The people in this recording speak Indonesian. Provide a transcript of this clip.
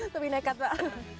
demi nekat mbak